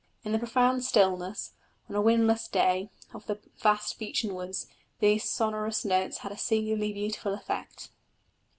In the profound stillness, on a windless day, of the vast beechen woods, these sonorous notes had a singularly beautiful effect.